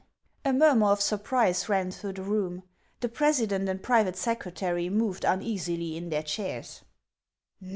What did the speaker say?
A murmur of surprise ran through the room. The president and private secretary moved uneasily in their chairs.